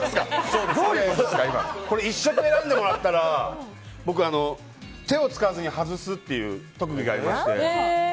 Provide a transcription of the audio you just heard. これ１色選んでもらったら手を使わずに外すっていう特技がありまして。